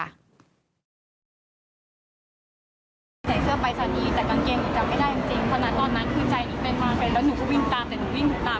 ใส่เสื้อปรายศนีย์แต่กางเกงอีกจะไม่ได้จริงจริงขณะตอนนั้นคือใจนี้เป็นมากเป็นแล้วหนูก็วิ่งตามแต่หนูวิ่งถูกตาม